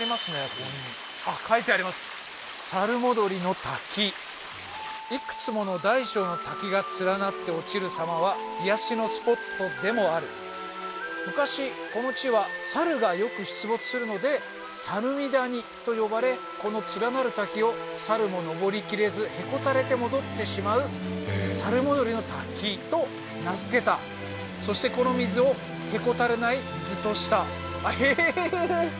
猿戻りの滝いくつもの大小の滝が連なって落ちる様は癒しのスポットでもある昔この地は猿がよく出没するので猿見谷と呼ばれこの連なる滝を猿も登りきれずへこたれて戻ってしまう猿戻りの滝と名付けたそしてこの水をへこたれない水としたへえーあっなるほど